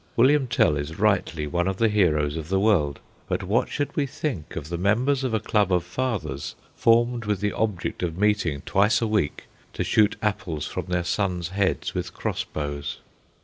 William Tell is rightly one of the heroes of the world; but what should we think of the members of a club of fathers, formed with the object of meeting twice a week to shoot apples from their sons' heads with cross bows?